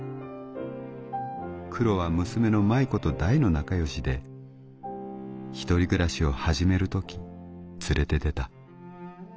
クロは娘の舞子と大の仲良しで一人暮らしを始める時連れて出た。